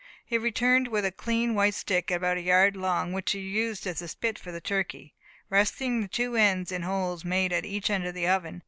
He returned with a clean white stick, about a yard long, which he used as a spit for the turkey, resting the two ends in holes made at each end of the oven.